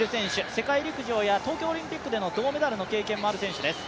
世界陸上や東京オリンピックでの銅メダルの経験もある選手です。